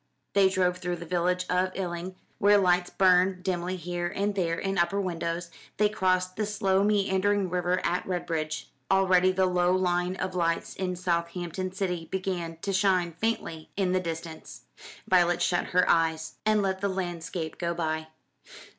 They drove through the village of Eling, where lights burned dimly here and there in upper windows; they crossed the slow meandering river at Redbridge. Already the low line of lights in Southampton city began to shine faintly in the distance. Violet shut her eyes and let the landscape go by.